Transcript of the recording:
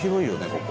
ここ。